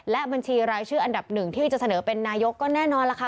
และบัญชีรายชื่ออันดับหนึ่งที่จะเสนอเป็นนายกก็แน่นอนล่ะค่ะ